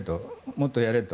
もっとやれと。